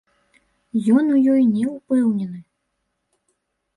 Ён у ёй не ўпэўнены.